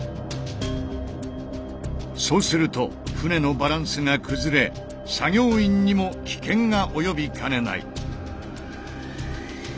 そうすると船のバランスが崩れ作業員にも危険が及びかねない。